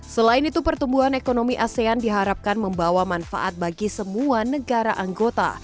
selain itu pertumbuhan ekonomi asean diharapkan membawa manfaat bagi semua negara anggota